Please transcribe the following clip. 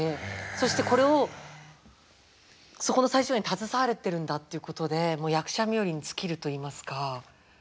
そしてこれをそこの最初に携われてるんだっていうことで役者冥利に尽きるといいますか。